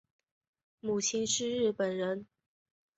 母亲是日本人。